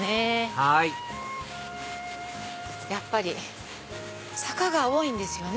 はいやっぱり坂が多いんですよね。